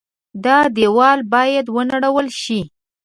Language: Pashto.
دا دېوال باید ونړول شي.